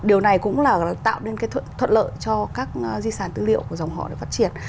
điều này cũng là tạo nên cái thuận lợi cho các di sản tư liệu của dòng họ để phát triển